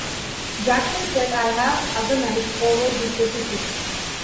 Jackson said, I have agonized over this decision.